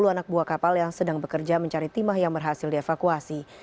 sepuluh anak buah kapal yang sedang bekerja mencari timah yang berhasil dievakuasi